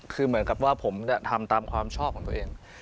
คือเหมือนกับว่าผมทำตามความชอบของตัวเอง